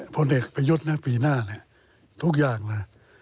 พอเด็กไปยุดปีหน้าทุกอย่างนะ